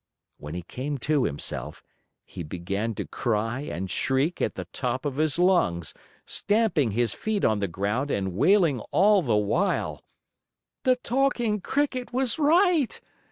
When he came to himself, he began to cry and shriek at the top of his lungs, stamping his feet on the ground and wailing all the while: "The Talking Cricket was right!